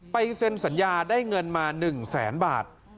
เซ็นสัญญาได้เงินมา๑แสนบาท